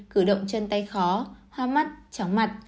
cử động chân tay khó hoa mắt tróng mặt